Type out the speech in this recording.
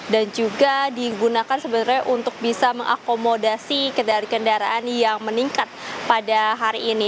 dan juga digunakan sebenarnya untuk bisa mengakomodasi kendaraan kendaraan yang meningkat pada hari ini